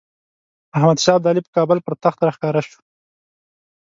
احمدشاه ابدالي په کابل پر تخت راښکاره شو.